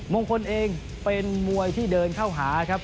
มงคลเองเป็นมวยที่เดินเข้าหาครับ